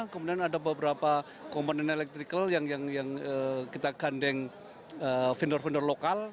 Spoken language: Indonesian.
kemudian ada beberapa komponen elektrikal yang kita gandeng vendor vendor lokal